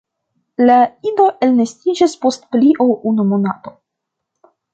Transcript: La ido elnestiĝas post pli ol unu monato.